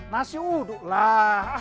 nasi uduk lah